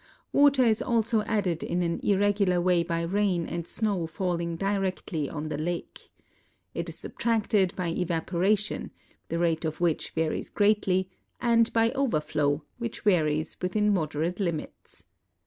Water is also added in an irregular way by rain and snow falling directly on the lake. It is subtracted by evaporation, the rate of which varies greatly, and by overfloAV, which varies within moderate limits.